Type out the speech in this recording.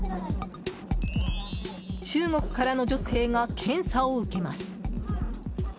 中国からの女性が検査を受けます。